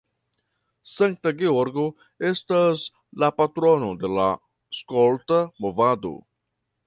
Sankta Georgo estas la patrono de la skolta movado.